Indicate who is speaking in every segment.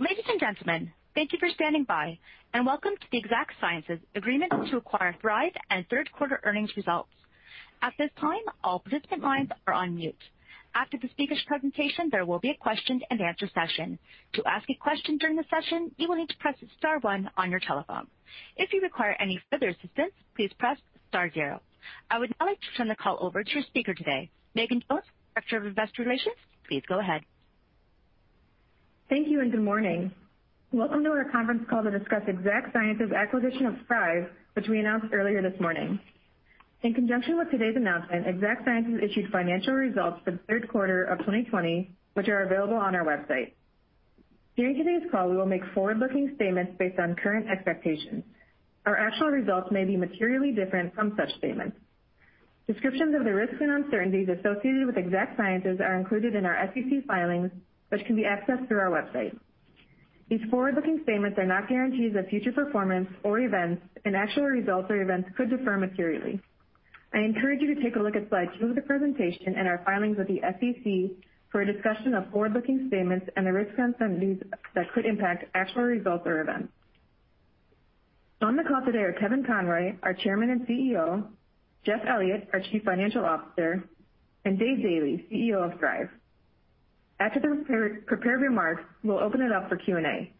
Speaker 1: Ladies and gentlemen, thank you for standing by and welcome to the Exact Sciences Agreement to Acquire Thrive and Third Quarter Earnings Results. At this time, all participant lines are on mute. After the speakers' presentation, there will be a question and answer session. To ask a question during the session, you will need to press star one on your telephone. If you require any further assistance, please press star zero. I would now like to turn the call over to your speaker today, Megan Jones, Director of Investor Relations. Please go ahead.
Speaker 2: Thank you. Good morning. Welcome to our conference call to discuss Exact Sciences' acquisition of Thrive, which we announced earlier this morning. In conjunction with today's announcement, Exact Sciences issued financial results for the third quarter of 2020, which are available on our website. During today's call, we will make forward-looking statements based on current expectations. Our actual results may be materially different from such statements. Descriptions of the risks and uncertainties associated with Exact Sciences are included in our SEC filings, which can be accessed through our website. These forward-looking statements are not guarantees of future performance or events, and actual results or events could differ materially. I encourage you to take a look at slide two of the presentation and our filings with the SEC for a discussion of forward-looking statements and the risks and uncertainties that could impact actual results or events. On the call today are Kevin Conroy, our Chairman and CEO, Jeff Elliott, our Chief Financial Officer, and Dave Daly, CEO of Thrive. After the prepared remarks, we'll open it up for Q&A.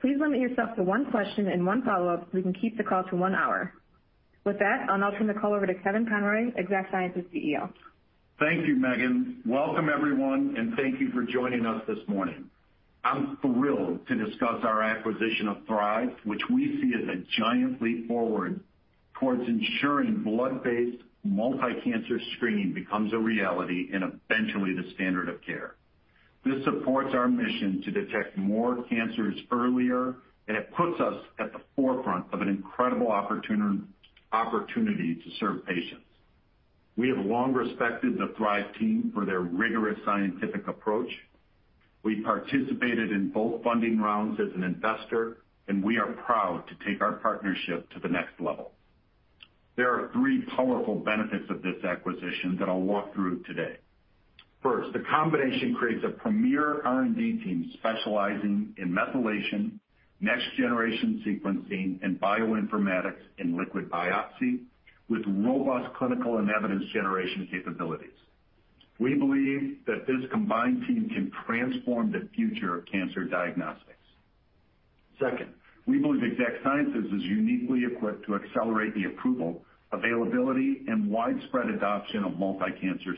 Speaker 2: Please limit yourself to one question and one follow-up, so we can keep the call to one hour. With that, I'll now turn the call over to Kevin Conroy, Exact Sciences CEO.
Speaker 3: Thank you, Megan. Welcome everyone, and thank you for joining us this morning. I'm thrilled to discuss our acquisition of Thrive, which we see as a giant leap forward towards ensuring blood-based multi-cancer screening becomes a reality and eventually the standard of care. This supports our mission to detect more cancers earlier, and it puts us at the forefront of an incredible opportunity to serve patients. We have long respected the Thrive team for their rigorous scientific approach. We participated in both funding rounds as an investor, and we are proud to take our partnership to the next level. There are three powerful benefits of this acquisition that I'll walk through today. First, the combination creates a premier R&D team specializing in methylation, next generation sequencing, and bioinformatics in liquid biopsy with robust clinical and evidence generation capabilities. We believe that this combined team can transform the future of cancer diagnostics. We believe Exact Sciences is uniquely equipped to accelerate the approval, availability, and widespread adoption of multi-cancer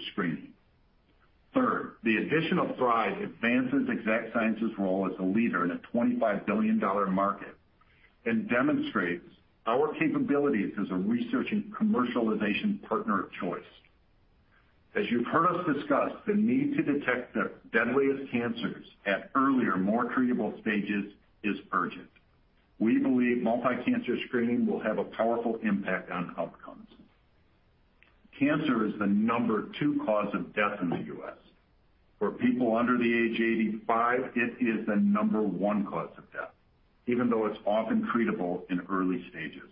Speaker 3: screening. The addition of Thrive advances Exact Sciences' role as a leader in a $25 billion market and demonstrates our capabilities as a research and commercialization partner of choice. As you've heard us discuss, the need to detect the deadliest cancers at earlier, more treatable stages is urgent. We believe multi-cancer screening will have a powerful impact on outcomes. Cancer is the number 2 cause of death in the U.S. For people under the age of 85, it is the number 1 cause of death, even though it's often treatable in early stages.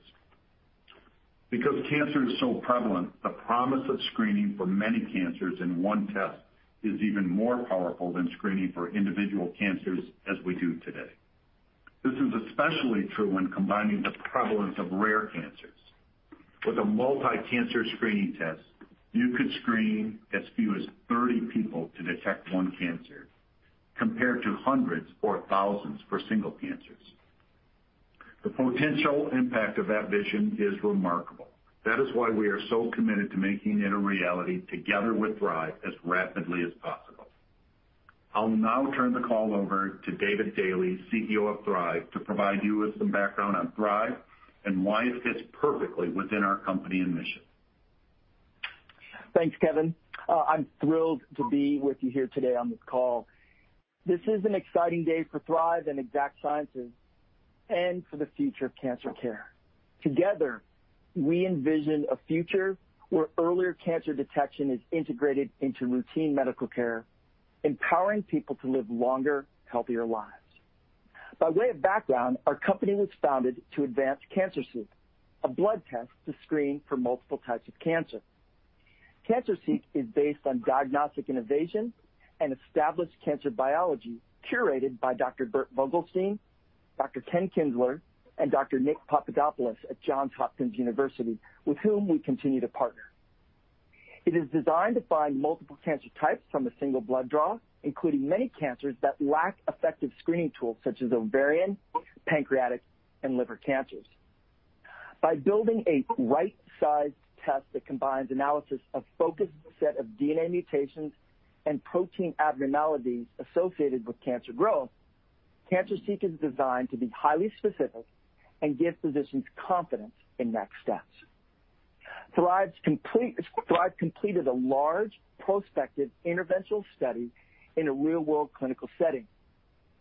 Speaker 3: Because cancer is so prevalent, the promise of screening for many cancers in one test is even more powerful than screening for individual cancers as we do today. This is especially true when combining the prevalence of rare cancers. With a multi-cancer screening test, you could screen as few as 30 people to detect one cancer, compared to hundreds or thousands for single cancers. The potential impact of that vision is remarkable. That is why we are so committed to making it a reality together with Thrive as rapidly as possible. I'll now turn the call over to Dave Daly, CEO of Thrive, to provide you with some background on Thrive and why it fits perfectly within our company and mission.
Speaker 4: Thanks, Kevin. I'm thrilled to be with you here today on this call. This is an exciting day for Thrive and Exact Sciences and for the future of cancer care. Together, we envision a future where earlier cancer detection is integrated into routine medical care, empowering people to live longer, healthier lives. By way of background, our company was founded to advance CancerSEEK, a blood test to screen for multiple types of cancer. CancerSEEK is based on diagnostic innovation and established cancer biology curated by Dr. Bert Vogelstein, Dr. Ken Kinzler, and Dr. Nick Papadopoulos at Johns Hopkins University, with whom we continue to partner. It is designed to find multiple cancer types from a single blood draw, including many cancers that lack effective screening tools, such as ovarian, pancreatic, and liver cancers. By building a right-sized test that combines analysis of focused set of DNA mutations and protein abnormalities associated with cancer growth, CancerSEEK is designed to be highly specific and give physicians confidence in next steps. Thrive completed a large prospective interventional study in a real-world clinical setting.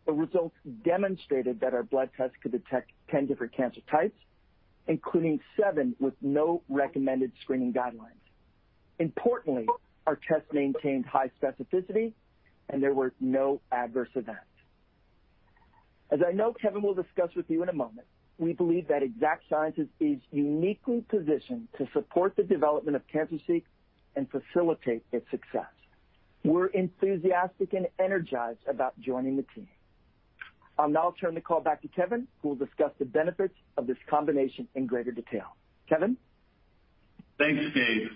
Speaker 4: The results demonstrated that our blood test could detect 10 different cancer types, including 7 with no recommended screening guidelines. Importantly, our test maintained high specificity, and there were no adverse events. As I know Kevin will discuss with you in a moment, we believe that Exact Sciences is uniquely positioned to support the development of CancerSEEK and facilitate its success. We're enthusiastic and energized about joining the team. I'll now turn the call back to Kevin, who will discuss the benefits of this combination in greater detail. Kevin?
Speaker 3: Thanks, Dave.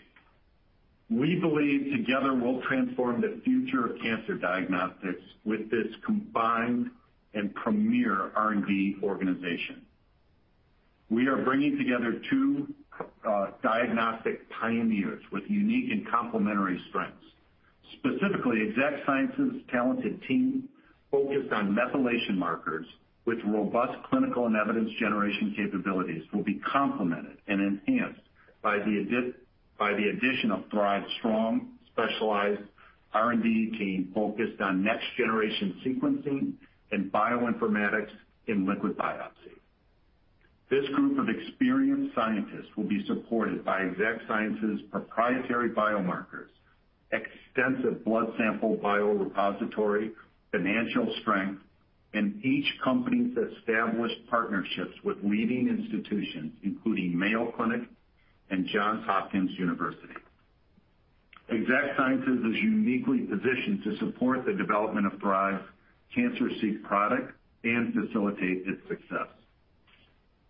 Speaker 3: We believe together we'll transform the future of cancer diagnostics with this combined and premier R&D organization. We are bringing together two diagnostic pioneers with unique and complementary strengths. Specifically, Exact Sciences' talented team focused on methylation markers with robust clinical and evidence generation capabilities will be complemented and enhanced by the addition of Thrive's strong specialized R&D team focused on next generation sequencing and bioinformatics in liquid biopsy. This group of experienced scientists will be supported by Exact Sciences' proprietary biomarkers, extensive blood sample biorepository, financial strength, and each company's established partnerships with leading institutions, including Mayo Clinic and Johns Hopkins University. Exact Sciences is uniquely positioned to support the development of Thrive's CancerSEEK product and facilitate its success.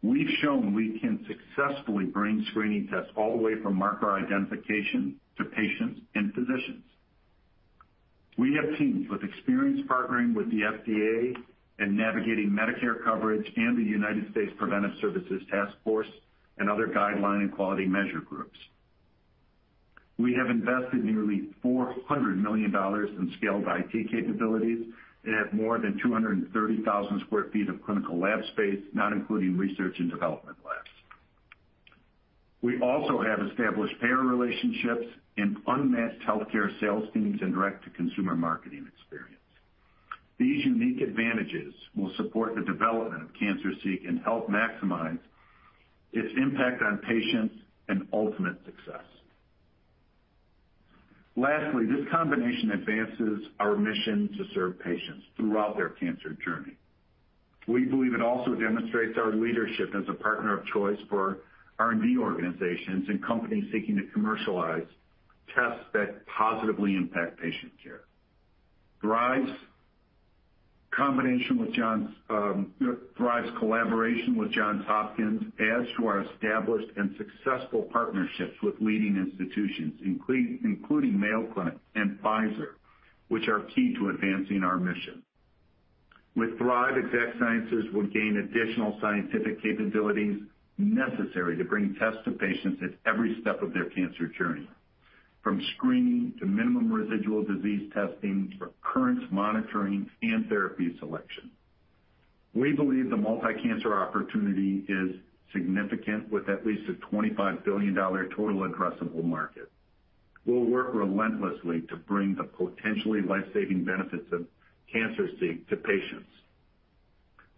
Speaker 3: We've shown we can successfully bring screening tests all the way from marker identification to patients and physicians. We have teams with experience partnering with the FDA and navigating Medicare coverage and the United States Preventive Services Task Force and other guideline and quality measure groups. We have invested nearly $400 million in scaled IT capabilities and have more than 230,000 sq ft of clinical lab space, not including research and development labs. We also have established payer relationships and unmatched healthcare sales teams and direct to consumer marketing experience. These unique advantages will support the development of CancerSEEK and help maximize its impact on patients and ultimate success. Lastly, this combination advances our mission to serve patients throughout their cancer journey. We believe it also demonstrates our leadership as a partner of choice for R&D organizations and companies seeking to commercialize tests that positively impact patient care. Thrive's collaboration with Johns Hopkins adds to our established and successful partnerships with leading institutions including Mayo Clinic and Pfizer, which are key to advancing our mission. With Thrive, Exact Sciences will gain additional scientific capabilities necessary to bring tests to patients at every step of their cancer journey, from screening to minimal residual disease testing, recurrence monitoring, and therapy selection. We believe the multi-cancer opportunity is significant with at least a $25 billion total addressable market. We'll work relentlessly to bring the potentially life-saving benefits of CancerSEEK to patients.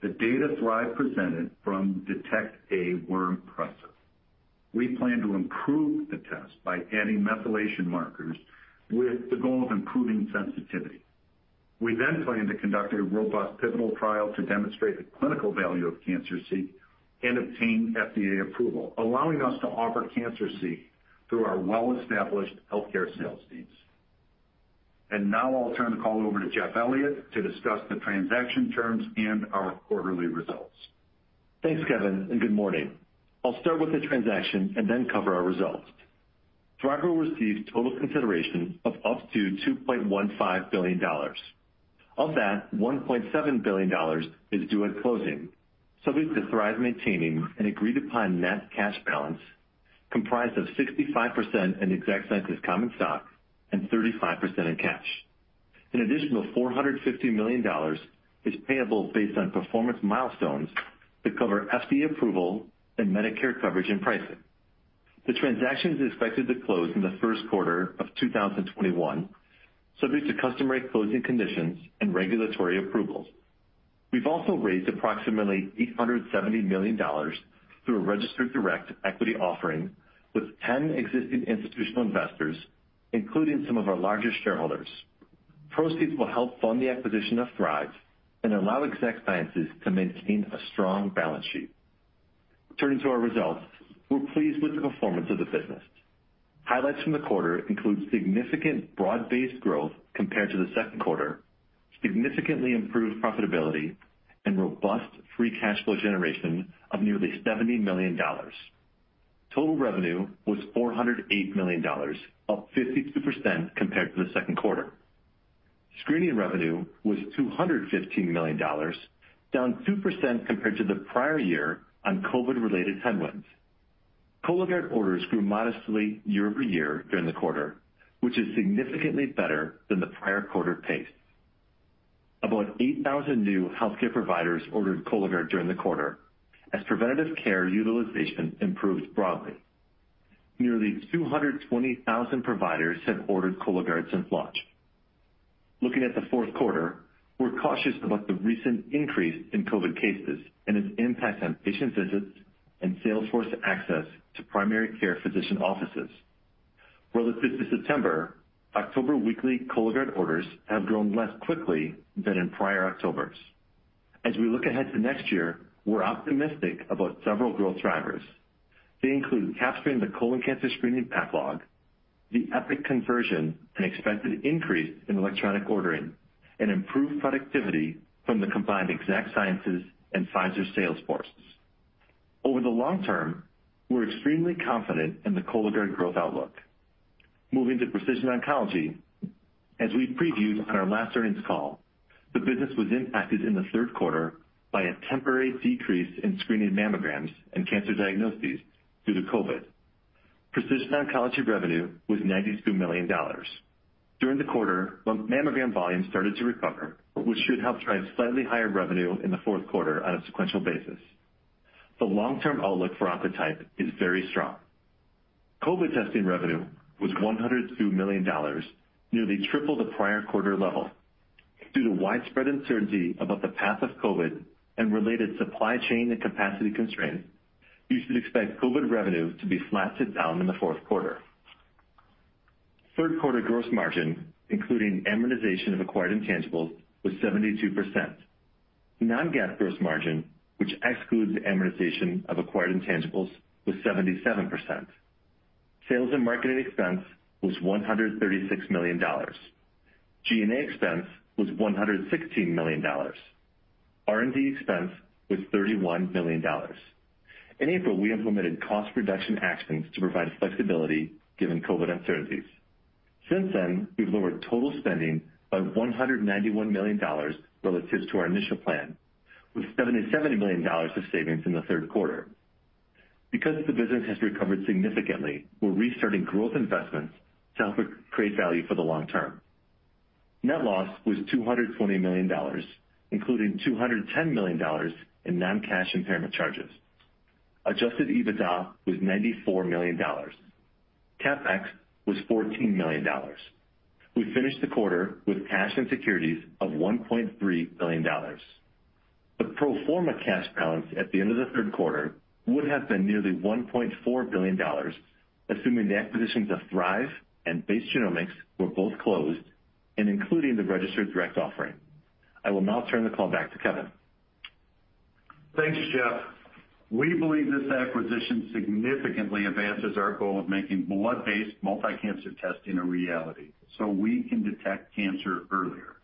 Speaker 3: The data Thrive presented from DETECT-A were impressive. We plan to improve the test by adding methylation markers with the goal of improving sensitivity. We then plan to conduct a robust pivotal trial to demonstrate the clinical value of CancerSEEK and obtain FDA approval, allowing us to offer CancerSEEK through our well-established healthcare sales teams. Now I'll turn the call over to Jeff Elliott to discuss the transaction terms and our quarterly results.
Speaker 5: Thanks, Kevin. Good morning. I'll start with the transaction and then cover our results. Thrive will receive total consideration of up to $2.15 billion. Of that, $1.7 billion is due at closing, subject to Thrive maintaining an agreed-upon net cash balance comprised of 65% in Exact Sciences common stock and 35% in cash. An additional $450 million is payable based on performance milestones to cover FDA approval and Medicare coverage and pricing. The transaction is expected to close in the first quarter of 2021, subject to customary closing conditions and regulatory approvals. We've also raised approximately $870 million through a registered direct equity offering with 10 existing institutional investors, including some of our largest shareholders. Proceeds will help fund the acquisition of Thrive and allow Exact Sciences to maintain a strong balance sheet. Turning to our results, we're pleased with the performance of the business. Highlights from the quarter include significant broad-based growth compared to the second quarter, significantly improved profitability, and robust free cash flow generation of nearly $70 million. Total revenue was $408 million, up 52% compared to the second quarter. Screening revenue was $215 million, down 2% compared to the prior year on COVID related headwinds. Cologuard orders grew modestly year-over-year during the quarter, which is significantly better than the prior quarter pace. About 8,000 new healthcare providers ordered Cologuard during the quarter, as preventative care utilization improved broadly. Nearly 220,000 providers have ordered Cologuard since launch. Looking at the fourth quarter, we're cautious about the recent increase in COVID cases and its impact on patient visits and sales force access to primary care physician offices. Relative to September, October weekly Cologuard orders have grown less quickly than in prior Octobers. As we look ahead to next year, we're optimistic about several growth drivers. They include capturing the colon cancer screening backlog, the Epic conversion, an expected increase in electronic ordering, and improved productivity from the combined Exact Sciences and Pfizer sales forces. Over the long term, we're extremely confident in the Cologuard growth outlook. Moving to precision oncology, as we previewed on our last earnings call, the business was impacted in the third quarter by a temporary decrease in screening mammograms and cancer diagnoses due to COVID. Precision oncology revenue was $92 million. During the quarter, mammogram volumes started to recover, which should help drive slightly higher revenue in the fourth quarter on a sequential basis. The long-term outlook for Oncotype is very strong. COVID testing revenue was $102 million, nearly triple the prior quarter level. Due to widespread uncertainty about the path of COVID and related supply chain and capacity constraints, you should expect COVID revenue to be flat to down in the fourth quarter. Third quarter gross margin, including amortization of acquired intangibles, was 72%. Non-GAAP gross margin, which excludes amortization of acquired intangibles, was 77%. Sales and marketing expense was $136 million. G&A expense was $116 million. R&D expense was $31 million. In April, we implemented cost reduction actions to provide flexibility given COVID uncertainties. Since then, we've lowered total spending by $191 million relative to our initial plan, with $77 million of savings in the third quarter. Because the business has recovered significantly, we're restarting growth investments to help it create value for the long term. Net loss was $220 million, including $210 million in non-cash impairment charges. Adjusted EBITDA was $94 million. CapEx was $14 million. We finished the quarter with cash and securities of $1.3 billion. The pro forma cash balance at the end of the third quarter would have been nearly $1.4 billion, assuming the acquisitions of Thrive and Base Genomics were both closed and including the registered direct offering. I will now turn the call back to Kevin.
Speaker 3: Thanks, Jeff. We believe this acquisition significantly advances our goal of making blood-based multi-cancer testing a reality so we can detect cancer earlier.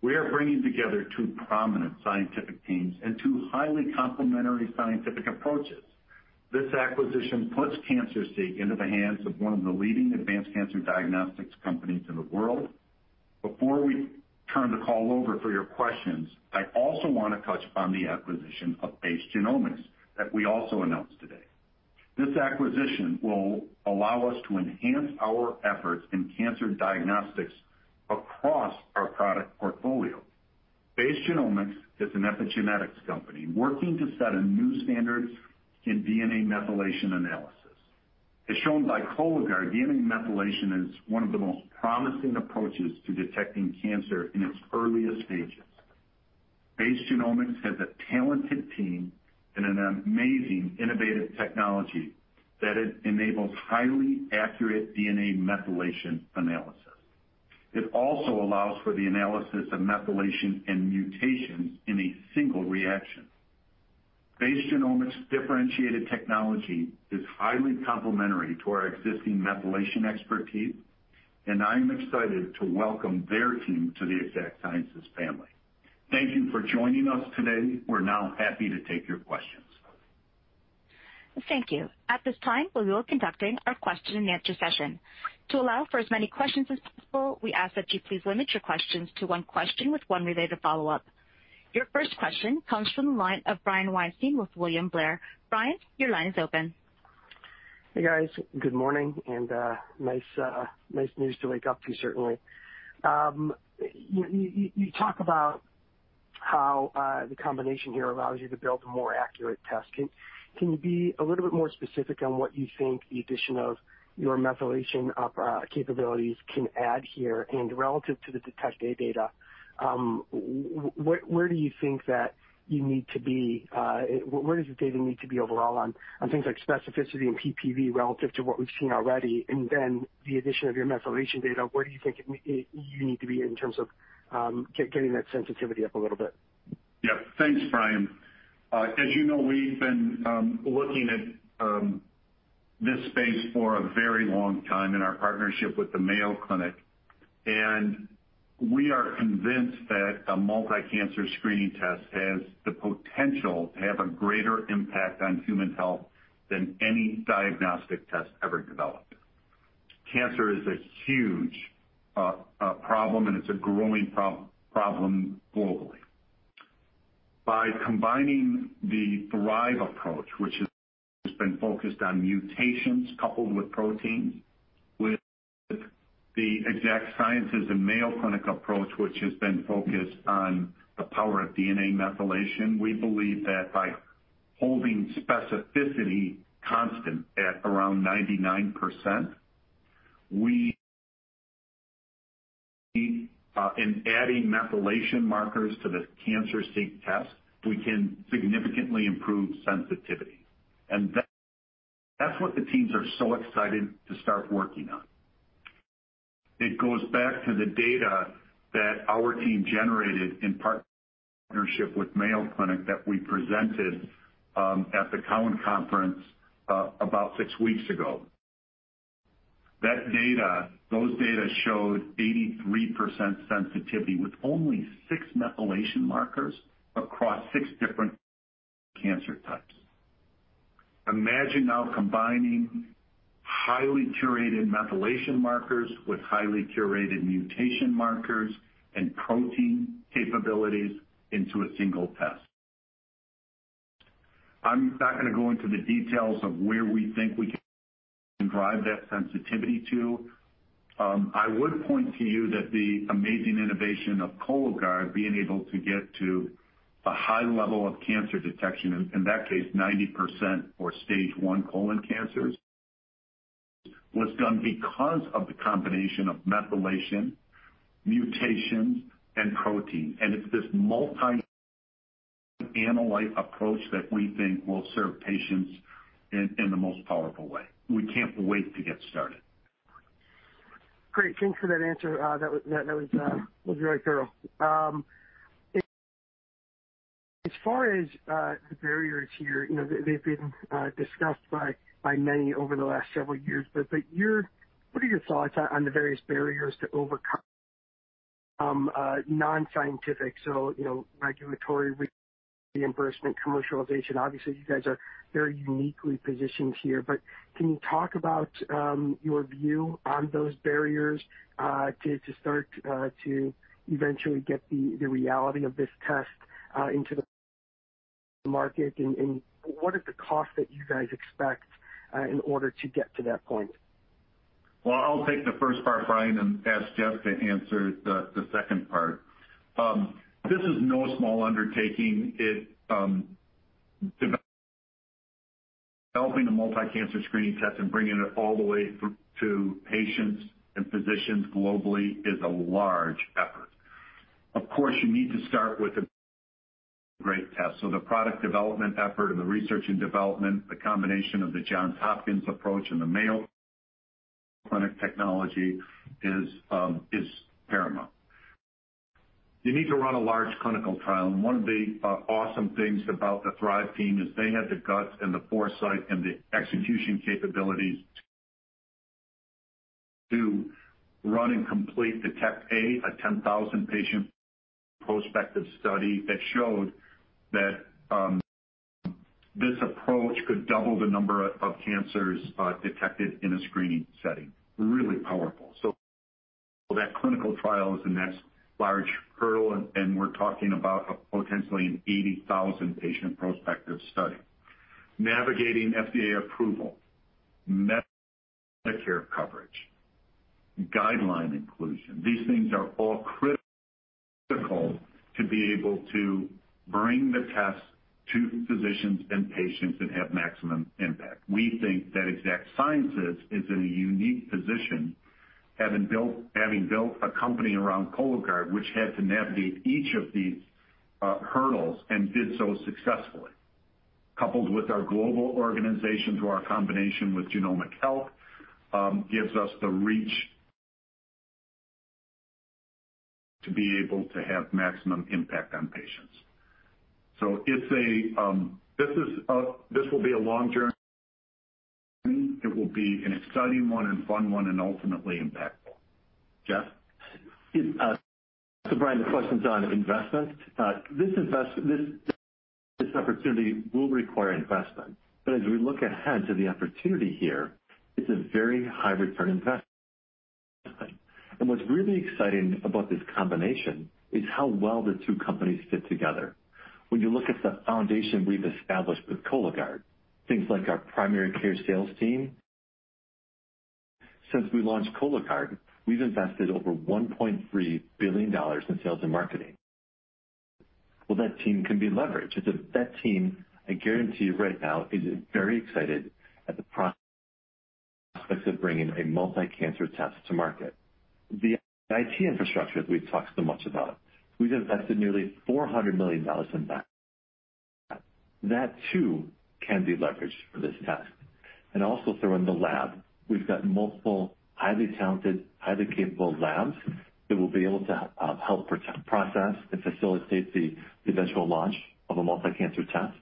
Speaker 3: We are bringing together two prominent scientific teams and two highly complementary scientific approaches. This acquisition puts CancerSEEK into the hands of one of the leading advanced cancer diagnostics companies in the world. Before we turn the call over for your questions, I also want to touch on the acquisition of Base Genomics that we also announced today. This acquisition will allow us to enhance our efforts in cancer diagnostics across our product portfolio. Base Genomics is an epigenetics company working to set a new standard in DNA methylation analysis. As shown by Cologuard, DNA methylation is one of the most promising approaches to detecting cancer in its earliest stages. Base Genomics has a talented team and an amazing innovative technology that enables highly accurate DNA methylation analysis. It also allows for the analysis of methylation and mutations in a single reaction. Base Genomics' differentiated technology is highly complementary to our existing methylation expertise, and I am excited to welcome their team to the Exact Sciences family. Thank you for joining us today. We're now happy to take your questions.
Speaker 1: Thank you. At this time, we will be conducting our question and answer session. To allow for as many questions as possible, we ask that you please limit your questions to one question with one related follow-up. Your first question comes from the line of Brian Weinstein with William Blair. Brian, your line is open.
Speaker 6: Hey, guys. Good morning and nice news to wake up to, certainly. You talk about how the combination here allows you to build a more accurate test. Can you be a little bit more specific on what you think the addition of your methylation capabilities can add here? Relative to the DETECT-A data, where does the data need to be overall on things like specificity and PPV relative to what we've seen already? Then the addition of your methylation data, where do you think you need to be in terms of getting that sensitivity up a little bit?
Speaker 3: Yeah. Thanks, Brian. As you know, we've been looking at this space for a very long time in our partnership with the Mayo Clinic, and we are convinced that a multi-cancer screening test has the potential to have a greater impact on human health than any diagnostic test ever developed. Cancer is a huge problem, and it's a growing problem globally. By combining the Thrive approach, which has been focused on mutations coupled with proteins, with the Exact Sciences and Mayo Clinic approach, which has been focused on the power of DNA methylation, we believe that by holding specificity constant at around 99%, in adding methylation markers to the CancerSEEK test, we can significantly improve sensitivity. That's what the teams are so excited to start working on. It goes back to the data that our team generated in partnership with Mayo Clinic that we presented at the Cowen conference about six weeks ago. Those data showed 83% sensitivity with only six methylation markers across six different cancer types. Imagine now combining highly curated methylation markers with highly curated mutation markers and protein capabilities into a single test. I'm not going to go into the details of where we think we can drive that sensitivity to. I would point to you that the amazing innovation of Cologuard being able to get to a high level of cancer detection, in that case, 90% for stage 1 colon cancers, was done because of the combination of methylation, mutations, and protein. It's this multi-analyte approach that we think will serve patients in the most powerful way. We can't wait to get started.
Speaker 6: Great. Thanks for that answer. That was very thorough. As far as the barriers here, they've been discussed by many over the last several years. What are your thoughts on the various barriers to overcome non-scientific, so regulatory reimbursement, commercialization, obviously, you guys are very uniquely positioned here, but can you talk about your view on those barriers to start to eventually get the reality of this test into the market, and what is the cost that you guys expect in order to get to that point?
Speaker 3: Well, I'll take the first part, Brian, and ask Jeff to answer the second part. This is no small undertaking. Developing a multi-cancer screening test and bringing it all the way to patients and physicians globally is a large effort. Of course, you need to start with a great test, so the product development effort or the research and development, the combination of the Johns Hopkins approach and the Mayo Clinic technology is paramount. You need to run a large clinical trial, and one of the awesome things about the Thrive team is they had the guts and the foresight and the execution capabilities to run and complete DETECT-A, a 10,000-patient prospective study that showed that this approach could double the number of cancers detected in a screening setting. Really powerful. That clinical trial is the next large hurdle, and we're talking about potentially an 80,000-patient prospective study. Navigating FDA approval, Medicare coverage, guideline inclusion. These things are all critical to be able to bring the test to physicians and patients and have maximum impact. We think that Exact Sciences is in a unique position, having built a company around Cologuard, which had to navigate each of these hurdles and did so successfully. Coupled with our global organization through our combination with Genomic Health, gives us the reach to be able to have maximum impact on patients. This will be a long journey. It will be an exciting one and fun one, and ultimately impactful. Jeff?
Speaker 5: Brian, the question's on investment. This opportunity will require investment, but as we look ahead to the opportunity here, it's a very high return investment. What's really exciting about this combination is how well the two companies fit together. When you look at the foundation we've established with Cologuard, things like our primary care sales team. Since we launched Cologuard, we've invested over $1.3 billion in sales and marketing. That team can be leveraged. That team, I guarantee you right now, is very excited at the prospects of bringing a multi-cancer test to market. The IT infrastructure that we've talked so much about, we've invested nearly $400 million in that. That too can be leveraged for this test. Also through in the lab, we've got multiple, highly talented, highly capable labs that will be able to help process and facilitate the eventual launch of a multi-cancer test.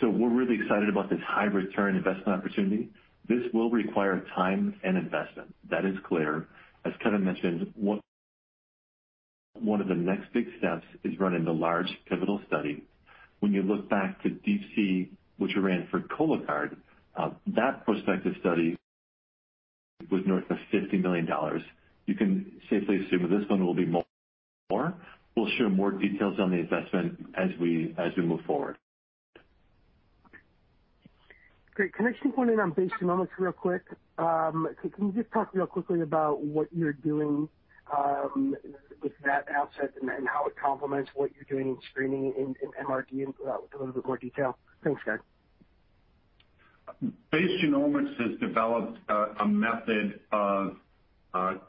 Speaker 5: We're really excited about this high return investment opportunity. This will require time and investment. That is clear. As Kevin mentioned, one of the next big steps is running the large pivotal study. When you look back to DeeP-C, which ran for Cologuard, that prospective study was north of $50 million. You can safely assume that this one will be more. We'll share more details on the investment as we move forward.
Speaker 6: Great. Can I just keep one in on Base Genomics real quick? Can you just talk real quickly about what you're doing with that asset and how it complements what you're doing in screening in MRD with a little bit more detail? Thanks, guys.
Speaker 3: Base Genomics has developed a method of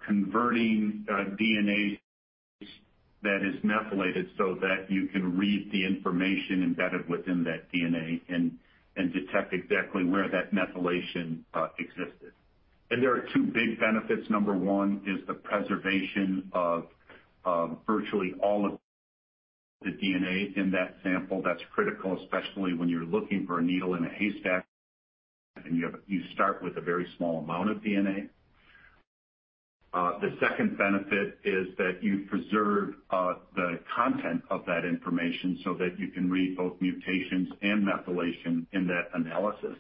Speaker 3: converting DNA that is methylated so that you can read the information embedded within that DNA and detect exactly where that methylation existed. There are two big benefits. Number one is the preservation of virtually all of the DNA in that sample. That's critical, especially when you're looking for a needle in a haystack, and you start with a very small amount of DNA. The second benefit is that you preserve the content of that information so that you can read both mutations and methylation in that analysis.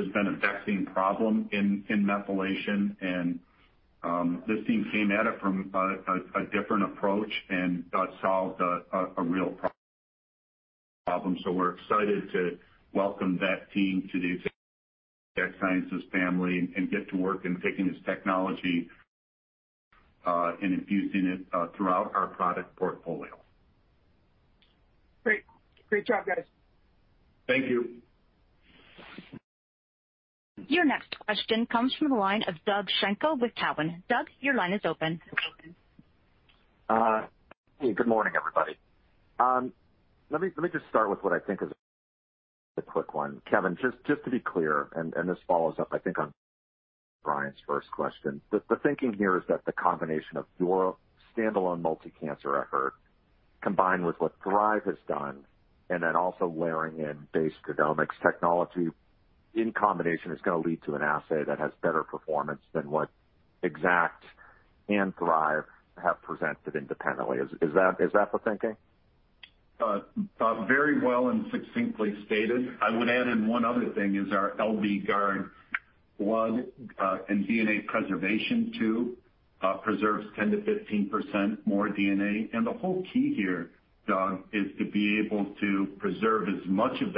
Speaker 3: This has been a vexing problem in methylation and this team came at it from a different approach and solved a real problem. We're excited to welcome that team to the Exact Sciences family and get to work in taking this technology and infusing it throughout our product portfolio.
Speaker 6: Great. Great job, guys.
Speaker 3: Thank you.
Speaker 1: Your next question comes from the line of Doug Schenkel with Cowen. Doug, your line is open.
Speaker 7: Hey, good morning, everybody. Let me just start with what I think is a quick one. Kevin, just to be clear, and this follows up, I think, on Brian's first question. The thinking here is that the combination of your standalone multi-cancer effort, combined with what Thrive has done, and then also layering in Base Genomics technology in combination, is going to lead to an assay that has better performance than what Exact and Thrive have presented independently. Is that the thinking?
Speaker 3: Doug, very well and succinctly stated. I would add in one other thing is our LBgard blood and DNA preservation too preserves 10%-15% more DNA. The whole key here, Doug, is to be able to preserve as much of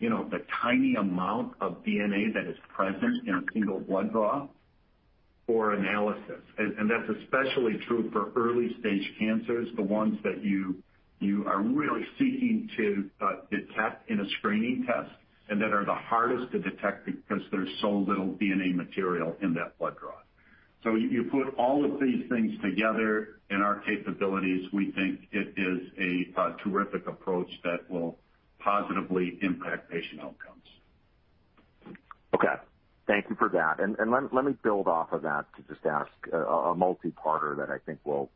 Speaker 3: the tiny amount of DNA that is present in a single blood draw for analysis. That's especially true for early-stage cancers, the ones that you are really seeking to detect in a screening test and that are the hardest to detect because there's so little DNA material in that blood draw. You put all of these things together in our capabilities, we think it is a terrific approach that will positively impact patient outcomes.
Speaker 7: Okay. Thank you for that. Let me build off of that to just ask a multi-parter that I think will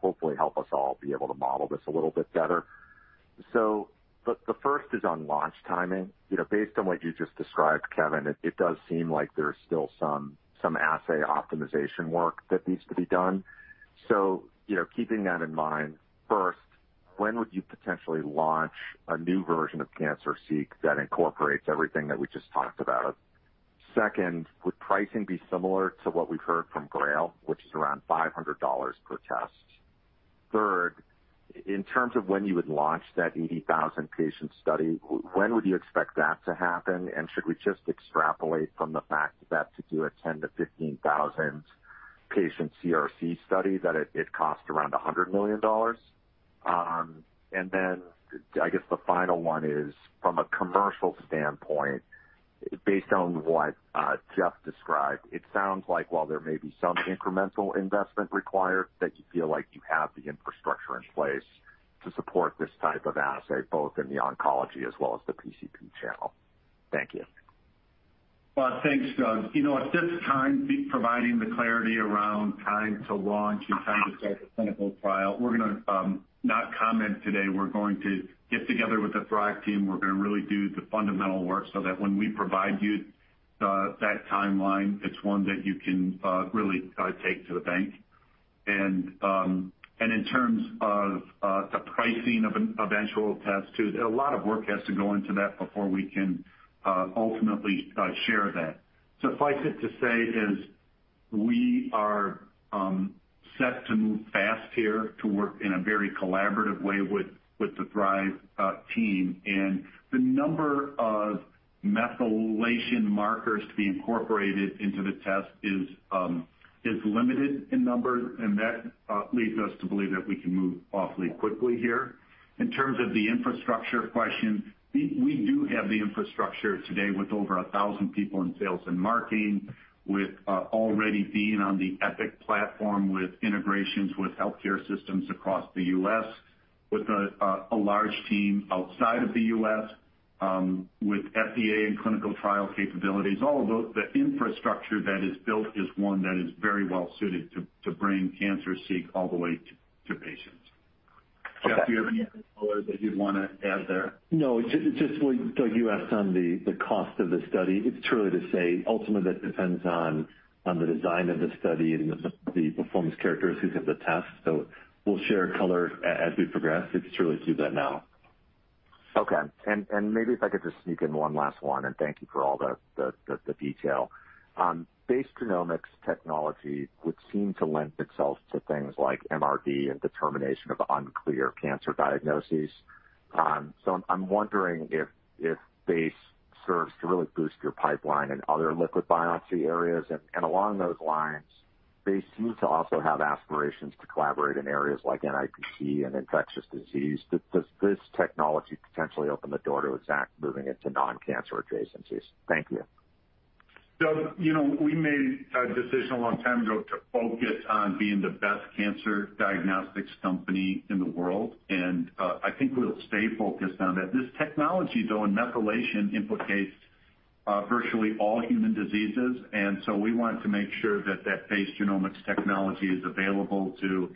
Speaker 7: hopefully help us all be able to model this a little bit better. The first is on launch timing. Based on what you just described, Kevin, it does seem like there's still some assay optimization work that needs to be done. Keeping that in mind, first, when would you potentially launch a new version of CancerSEEK that incorporates everything that we just talked about? Second, would pricing be similar to what we've heard from GRAIL, which is around $500 per test? Third, in terms of when you would launch that 80,000-patient study, when would you expect that to happen? Should we just extrapolate from the fact that to do a 10,000-15,000-patient CRC study, that it cost around $100 million? I guess the final one is, from a commercial standpoint, based on what Jeff described, it sounds like while there may be some incremental investment required, that you feel like you have the infrastructure in place to support this type of assay, both in the oncology as well as the PCP channel. Thank you.
Speaker 3: Well, thanks, Doug. At this time, providing the clarity around time to launch and time to start the clinical trial, we're going to not comment today. We're going to get together with the Thrive team. We're going to really do the fundamental work so that when we provide you that timeline, it's one that you can really take to the bank. In terms of the pricing of an eventual test too, a lot of work has to go into that before we can ultimately share that. Suffice it to say is we are set to move fast here to work in a very collaborative way with the Thrive team and the number of methylation markers to be incorporated into the test is limited in numbers, and that leads us to believe that we can move awfully quickly here. In terms of the infrastructure question, we do have the infrastructure today with over 1,000 people in sales and marketing, with already being on the Epic platform, with integrations with healthcare systems across the U.S., with a large team outside of the U.S., with FDA and clinical trial capabilities. All of the infrastructure that is built is one that is very well-suited to bring CancerSEEK all the way to patients.
Speaker 7: Okay.
Speaker 3: Jeff, do you have anything to add that you'd want to add there?
Speaker 5: No. Just what Doug asked on the cost of the study. It's too early to say. Ultimately, that depends on the design of the study and the performance characteristics of the test. We'll share color as we progress. It's too early to do that now.
Speaker 7: Okay. Maybe if I could just sneak in one last one, thank you for all the detail. Base Genomics technology would seem to lend itself to things like MRD and determination of unclear cancer diagnoses. I'm wondering if Base serves to really boost your pipeline in other liquid biopsy areas. Along those lines. They seem to also have aspirations to collaborate in areas like NIPT and infectious disease. Does this technology potentially open the door to Exact moving into non-cancer adjacencies? Thank you.
Speaker 3: Doug, we made a decision a long time ago to focus on being the best cancer diagnostics company in the world. I think we'll stay focused on that. This technology, though, and methylation implicates virtually all human diseases, and so we wanted to make sure that that Base Genomics technology is available to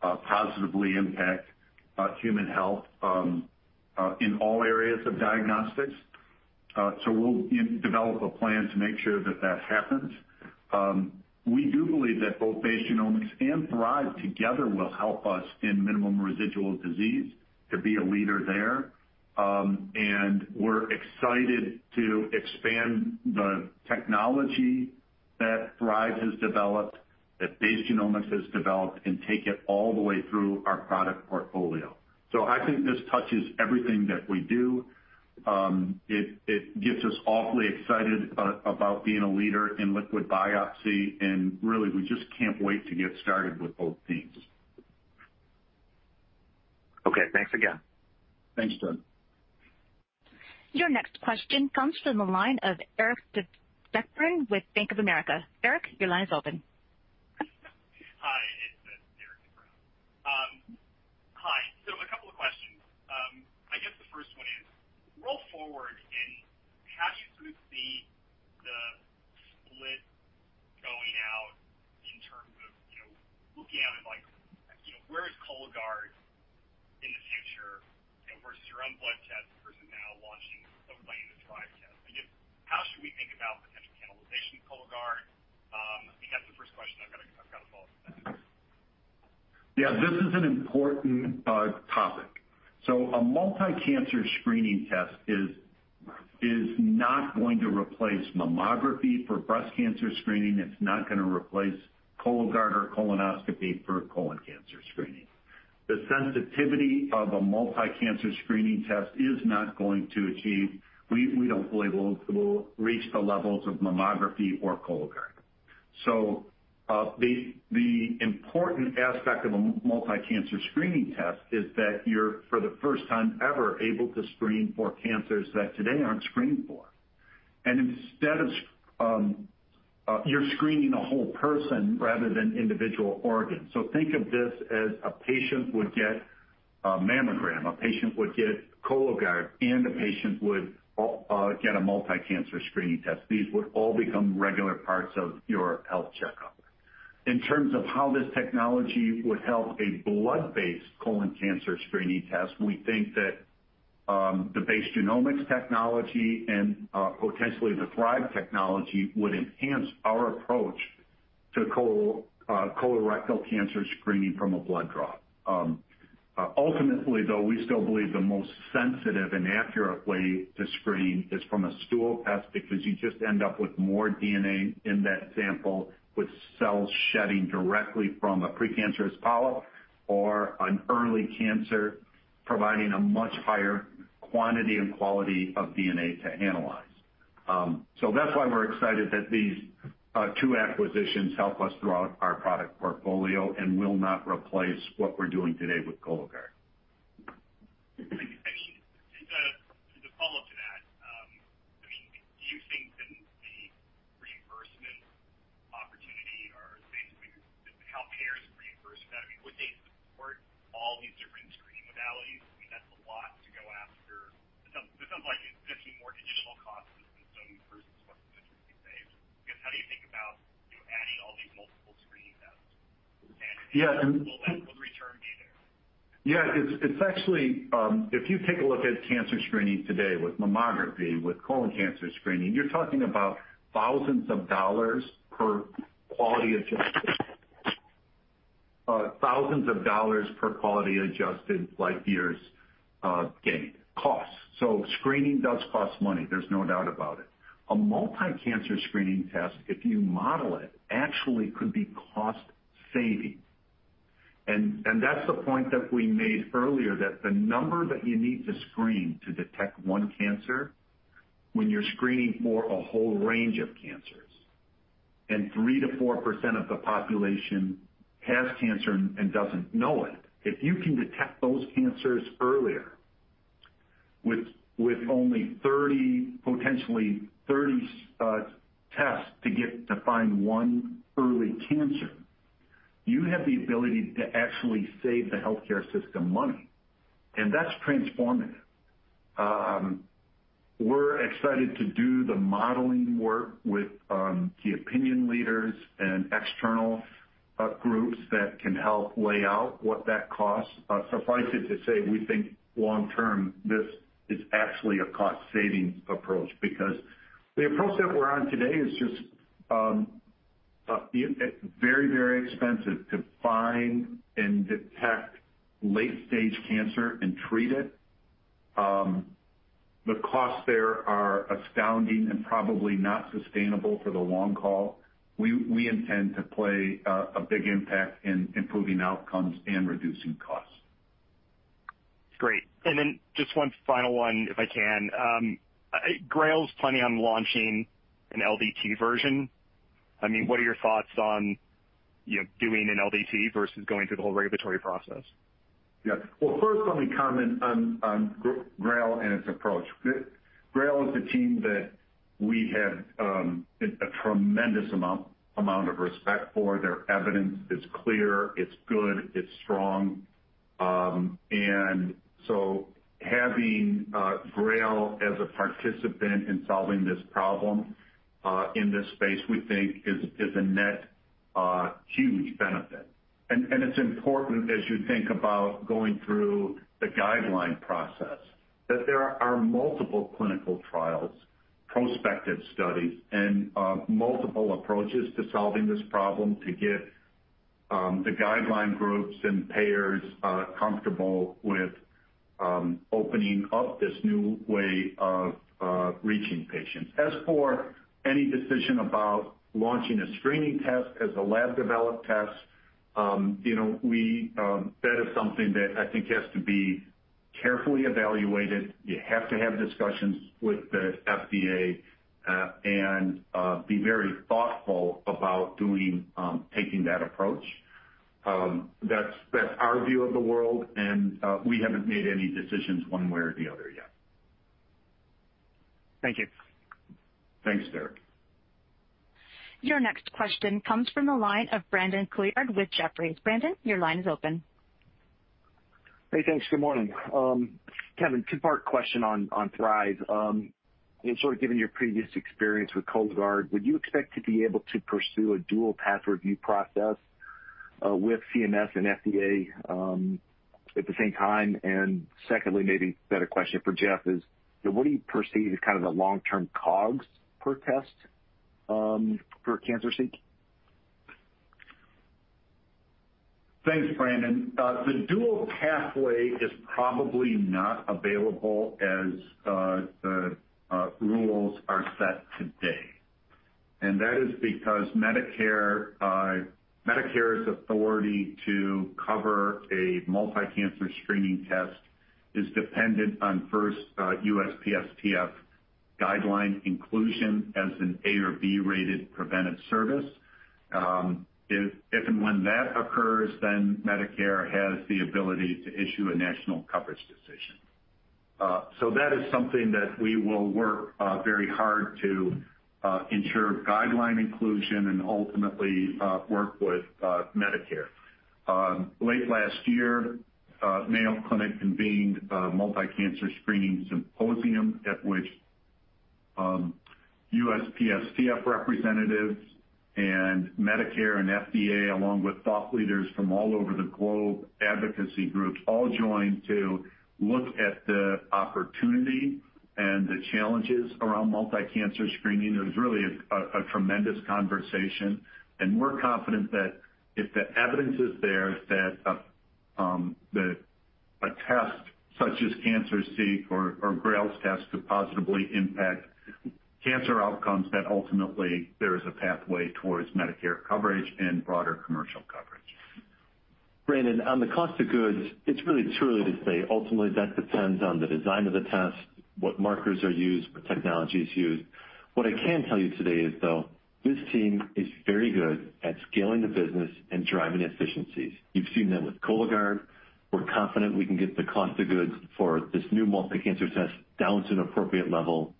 Speaker 3: positively impact human health in all areas of diagnostics. We'll develop a plan to make sure that that happens. We do believe that both Base Genomics and Thrive together will help us in minimal residual disease to be a leader there. We're excited to expand the technology that Thrive has developed, that Base Genomics has developed, and take it all the way through our product portfolio. I think this touches everything that we do. It gets us awfully excited about being a leader in liquid biopsy, and really, we just can't wait to get started with both teams.
Speaker 7: Okay, thanks again.
Speaker 3: Thanks, Doug.
Speaker 1: Your next question comes from the line of Eric Brown with Bank of America. Derik, your line is open.
Speaker 8: Hi, it's Eric Brown. A couple of questions. I guess the first one is, roll forward and how do you see the split going out in terms of looking at it like, where is Cologuard in the future versus your own blood test versus now launching or planning the Thrive test? I guess, how should we think about potential cannibalization of Cologuard? I've got a follow-up to that.
Speaker 3: Yeah, this is an important topic. A multi-cancer screening test is not going to replace mammography for breast cancer screening. It's not going to replace Cologuard or colonoscopy for colon cancer screening. The sensitivity of a multi-cancer screening test We don't believe it will reach the levels of mammography or Cologuard. The important aspect of a multi-cancer screening test is that you're, for the first time ever, able to screen for cancers that today aren't screened for. Instead, you're screening a whole person rather than individual organs. Think of this as a patient would get a mammogram, a patient would get Cologuard, and a patient would get a multi-cancer screening test. These would all become regular parts of your health checkup. In terms of how this technology would help a blood-based colon cancer screening test, we think that the Base Genomics technology and potentially the Thrive technology would enhance our approach to colorectal cancer screening from a blood draw. Ultimately, though, we still believe the most sensitive and accurate way to screen is from a stool test, because you just end up with more DNA in that sample with cells shedding directly from a precancerous polyp or an early cancer, providing a much higher quantity and quality of DNA to analyze. That's why we're excited that these two acquisitions help us throughout our product portfolio and will not replace what we're doing today with Cologuard.
Speaker 8: As a follow-up to that, do you think that the reimbursement opportunity or how payers reimburse that, would they support all these different screening modalities? That's a lot to go after. This sounds like it's going to be more additional costs than some person's costs would be saved. I guess, how do you think about adding all these multiple screening tests?
Speaker 3: Yeah.
Speaker 8: Will that return data?
Speaker 3: Yeah. If you take a look at cancer screening today with mammography, with colon cancer screening, you're talking about thousands of dollars per quality-adjusted life years gained costs. Screening does cost money, there's no doubt about it. A multi-cancer screening test, if you model it, actually could be cost-saving. That's the point that we made earlier, that the number that you need to screen to detect one cancer when you're screening for a whole range of cancers, and 3%-4% of the population has cancer and doesn't know it. If you can detect those cancers earlier with only potentially 30 tests to find one early cancer, you have the ability to actually save the healthcare system money, and that's transformative. We're excited to do the modeling work with the opinion leaders and external groups that can help lay out what that costs. Suffice it to say, we think long term, this is actually a cost-saving approach because the approach that we're on today is just very, very expensive to find and detect late-stage cancer and treat it. The costs there are astounding and probably not sustainable for the long call. We intend to play a big impact in improving outcomes and reducing costs.
Speaker 8: Great. Just one final one, if I can. GRAIL's planning on launching an LDT version. What are your thoughts on doing an LDT versus going through the whole regulatory process?
Speaker 3: Well, first let me comment on GRAIL and its approach. GRAIL is a team that we have a tremendous amount of respect for. Their evidence is clear, it's good, it's strong. Having GRAIL as a participant in solving this problem, in this space, we think is a net huge benefit. It's important as you think about going through the guideline process, that there are multiple clinical trials, prospective studies, and multiple approaches to solving this problem to get the guideline groups and payers comfortable with opening up this new way of reaching patients. As for any decision about launching a screening test as a lab-developed test, that is something that I think has to be carefully evaluated. You have to have discussions with the FDA, and be very thoughtful about taking that approach. That's our view of the world, and we haven't made any decisions one way or the other yet.
Speaker 8: Thank you.
Speaker 3: Thanks, Eric.
Speaker 1: Your next question comes from the line of Brandon Nayberg with Jefferies. Brandon, your line is open.
Speaker 9: Hey, thanks. Good morning. Kevin, two-part question on Thrive. Given your previous experience with Cologuard, would you expect to be able to pursue a dual path review process with CMS and FDA at the same time? Secondly, maybe a better question for Jeff is, what do you perceive as kind of the long-term COGS per test for CancerSEEK?
Speaker 3: Thanks, Brandon. The dual pathway is probably not available as the rules are set today, and that is because Medicare's authority to cover a multi-cancer screening test is dependent on first USPSTF guideline inclusion as an A or B-rated preventive service. If and when that occurs, then Medicare has the ability to issue a national coverage decision. That is something that we will work very hard to ensure guideline inclusion and ultimately work with Medicare. Late last year, Mayo Clinic convened a multi-cancer screening symposium at which USPSTF representatives and Medicare and FDA, along with thought leaders from all over the globe, advocacy groups, all joined to look at the opportunity and the challenges around multi-cancer screening. It was really a tremendous conversation, and we're confident that if the evidence is there that a test such as CancerSEEK or GRAIL's test could positively impact cancer outcomes, that ultimately there is a pathway towards Medicare coverage and broader commercial coverage.
Speaker 5: Brandon, on the cost of goods, it's really too early to say. Ultimately, that depends on the design of the test, what markers are used, what technology is used. What I can tell you today is, though, this team is very good at scaling the business and driving efficiencies. You've seen that with Cologuard. We're confident we can get the cost of goods for this new multi-cancer test down to an appropriate level,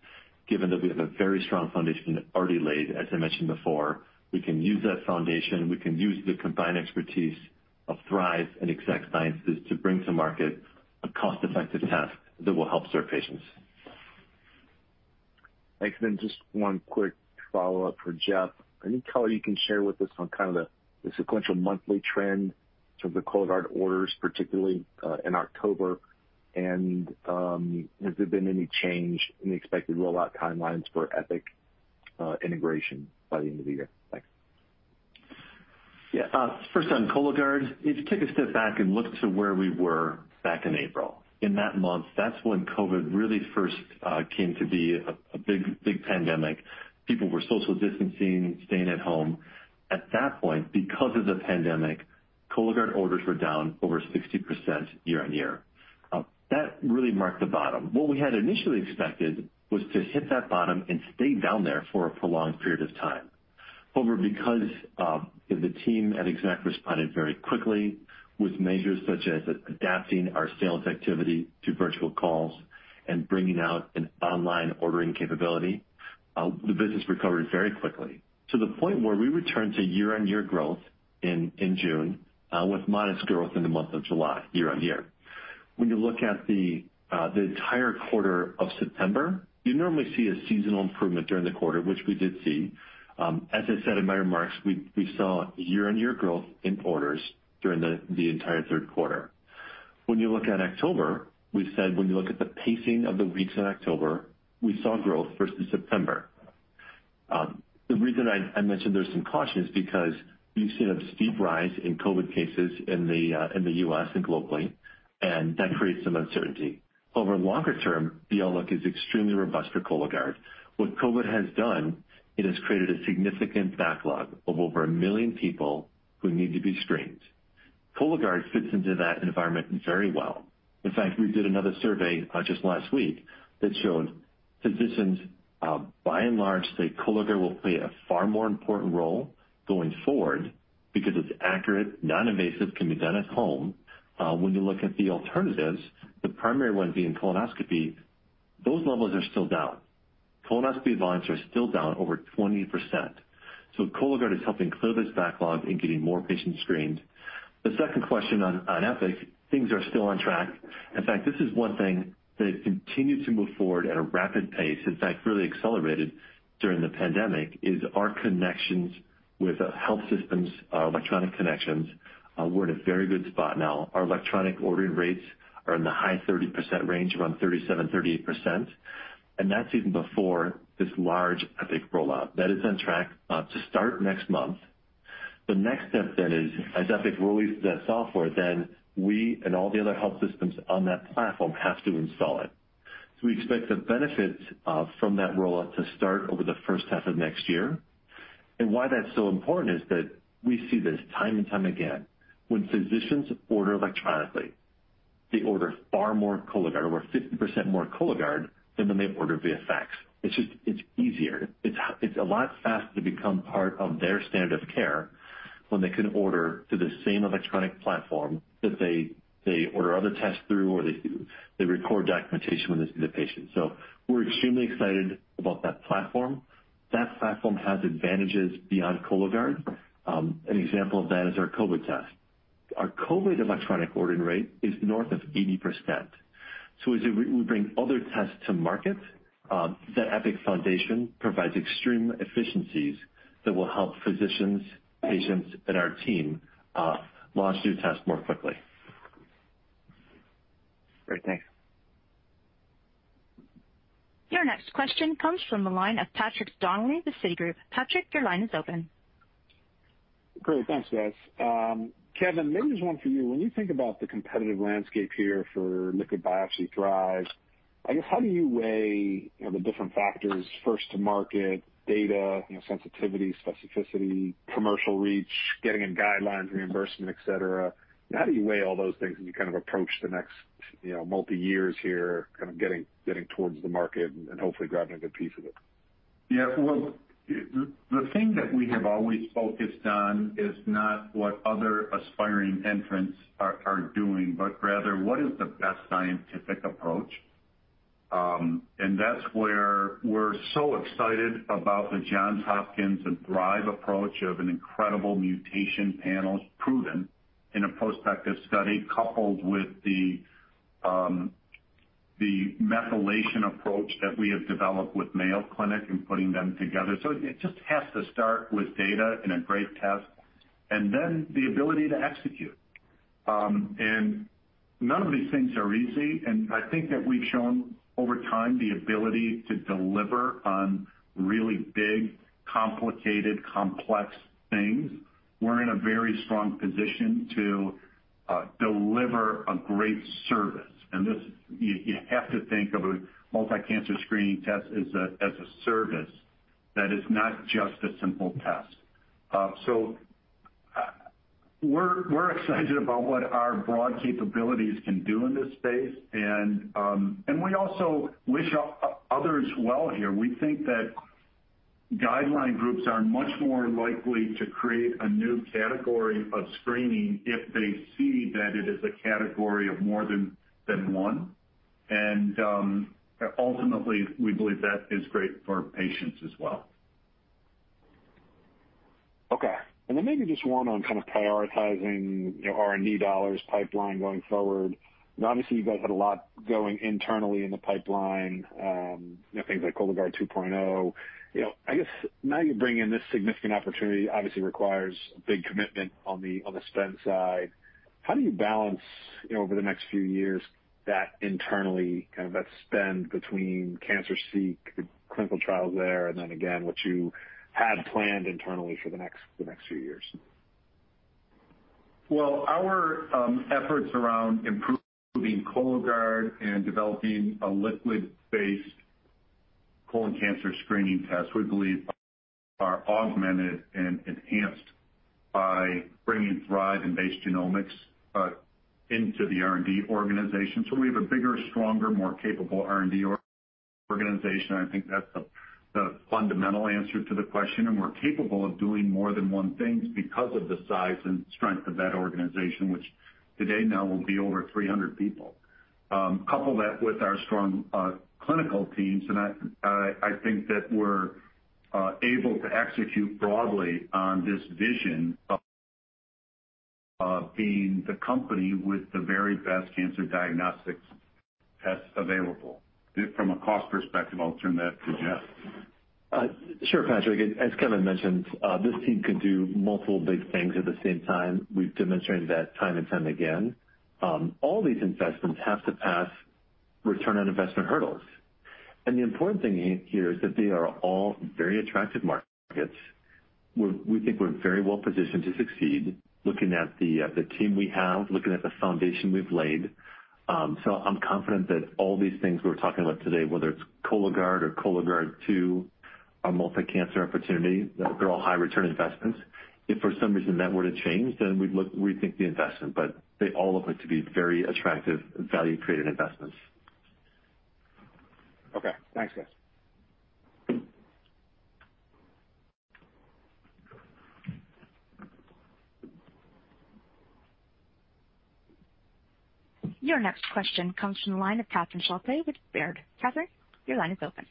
Speaker 5: given that we have a very strong foundation already laid, as I mentioned before. We can use that foundation, we can use the combined expertise of Thrive and Exact Sciences to bring to market a cost-effective test that will help serve patients.
Speaker 9: Thanks. Just one quick follow-up for Jeff. Any color you can share with us on kind of the sequential monthly trend for the Cologuard orders, particularly in October? Has there been any change in the expected rollout timelines for Epic integration by the end of the year? Thanks.
Speaker 5: First on Cologuard, if you take a step back and look to where we were back in April. In that month, that's when COVID really first came to be a big pandemic. People were social distancing, staying at home. At that point, because of the pandemic, Cologuard orders were down over 60% year-on-year. That really marked the bottom. What we had initially expected was to hit that bottom and stay down there for a prolonged period of time. Because the team at Exact responded very quickly with measures such as adapting our sales activity to virtual calls and bringing out an online ordering capability, the business recovered very quickly, to the point where we returned to year-on-year growth in June, with modest growth in the month of July year-on-year. When you look at the entire quarter of September, you normally see a seasonal improvement during the quarter, which we did see. As I said in my remarks, we saw year-over-year growth in orders during the entire third quarter. When you look at October, we said when you look at the pacing of the weeks in October, we saw growth versus September. The reason I mentioned there's some caution is because we've seen a steep rise in COVID cases in the U.S. and globally, and that creates some uncertainty. Over longer term, the outlook is extremely robust for Cologuard. What COVID has done, it has created a significant backlog of over 1 million people who need to be screened. Cologuard fits into that environment very well. In fact, we did another survey just last week that showed physicians, by and large, say Cologuard will play a far more important role going forward because it's accurate, non-invasive, can be done at home. When you look at the alternatives, the primary ones being colonoscopy, those levels are still down. Colonoscopy volumes are still down over 20%. Cologuard is helping clear this backlog and getting more patients screened. The second question on Epic, things are still on track. In fact, this is one thing that has continued to move forward at a rapid pace, in fact, really accelerated during the pandemic, is our connections with health systems, electronic connections. We're in a very good spot now. Our electronic ordering rates are in the high 30% range, around 37%, 38%. That's even before this large Epic rollout. That is on track to start next month. The next step is, as Epic releases that software, we and all the other health systems on that platform have to install it. We expect the benefits from that rollout to start over the first half of next year. Why that's so important is that we see this time and time again. When physicians order electronically, they order far more Cologuard, over 50% more Cologuard than when they order via fax. It's easier. It's a lot faster to become part of their standard of care when they can order through the same electronic platform that they order other tests through, or they record documentation when they see the patient. We're extremely excited about that platform. That platform has advantages beyond Cologuard. An example of that is our COVID test. Our COVID electronic ordering rate is north of 80%. As we bring other tests to market, that Epic foundation provides extreme efficiencies that will help physicians, patients, and our team launch new tests more quickly.
Speaker 9: Great. Thanks.
Speaker 1: Your next question comes from the line of Patrick Donnelly of Citigroup. Patrick, your line is open.
Speaker 10: Great. Thanks, guys. Kevin, maybe just one for you. When you think about the competitive landscape here for liquid biopsy Thrive, how do you weigh the different factors, first to market, data, sensitivity, specificity, commercial reach, getting in guidelines, reimbursement, et cetera? How do you weigh all those things as you approach the next multi years here, getting towards the market and hopefully grabbing a good piece of it?
Speaker 3: Yeah. Well, the thing that we have always focused on is not what other aspiring entrants are doing, but rather what is the best scientific approach. That's where we're so excited about the Johns Hopkins and Thrive approach of an incredible mutation panel proven in a prospective study, coupled with the methylation approach that we have developed with Mayo Clinic and putting them together. It just has to start with data and a great test, and then the ability to execute. None of these things are easy, and I think that we've shown over time the ability to deliver on really big, complicated, complex things. We're in a very strong position to deliver a great service. You have to think of a multi-cancer screening test as a service that is not just a simple test. We're excited about what our broad capabilities can do in this space, and we also wish others well here. We think that guideline groups are much more likely to create a new category of screening if they see that it is a category of more than one. Ultimately, we believe that is great for patients as well.
Speaker 10: Okay. Maybe just one on prioritizing R&D dollars pipeline going forward. Obviously, you guys had a lot going internally in the pipeline, things like Cologuard 2.0. I guess now you bring in this significant opportunity, obviously requires a big commitment on the spend side. How do you balance over the next few years that internally, that spend between CancerSEEK, the clinical trials there, and then again, what you had planned internally for the next few years?
Speaker 3: Our efforts around improving Cologuard and developing a liquid-based colon cancer screening test, we believe are augmented and enhanced by bringing Thrive and Base Genomics into the R&D organization. We have a bigger, stronger, more capable R&D organization. I think that's the fundamental answer to the question. We're capable of doing more than one thing because of the size and strength of that organization, which today now will be over 300 people. Couple that with our strong clinical teams, and I think that we're able to execute broadly on this vision of being the company with the very best cancer diagnostics tests available. From a cost perspective, I'll turn that to Jeff.
Speaker 5: Sure, Patrick. As Kevin mentioned, this team can do multiple big things at the same time. We've demonstrated that time and time again. All these investments have to pass ROI hurdles. The important thing here is that they are all very attractive markets. We think we're very well positioned to succeed looking at the team we have, looking at the foundation we've laid. I'm confident that all these things we're talking about today, whether it's Cologuard or Cologuard 2, our multi-cancer opportunity, they're all high return investments. If for some reason that were to change, then we'd rethink the investment. They all look to be very attractive value-creating investments.
Speaker 10: Okay. Thanks, guys.
Speaker 1: Your next question comes from the line of Catherine Schulte with Baird. Catherine, your line is open.